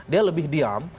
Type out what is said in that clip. dia lebih diam